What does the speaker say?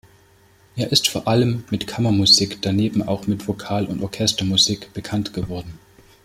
Er ist vor allem mit Kammermusik, daneben auch mit Vokal- und Orchestermusik bekannt geworden.